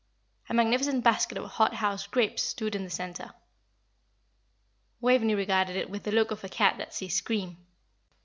A magnificent basket of hot house grapes stood in the centre. Waveney regarded it with the look of a cat that sees cream.